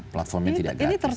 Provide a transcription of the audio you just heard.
platformnya tidak gratis